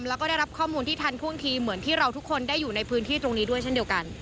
แล้วก็ได้รับข้อมูลที่ทันท่วงทีเหมือนที่เราทุกคนได้อยู่ในพื้นที่ตรงนี้ด้วยเช่นเดียวกัน